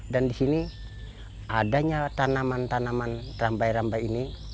dan disini adanya tanaman tanaman rambai rambai ini